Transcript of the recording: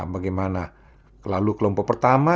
bagaimana kelalu kelompok pertama